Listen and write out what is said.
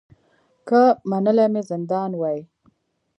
که منلی مي زندان وای